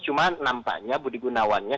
cuma nampaknya budi gunawannya